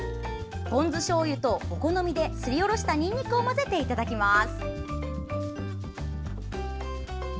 ポン酢しょうゆと、お好みですりおろしたにんにくを混ぜていただきます。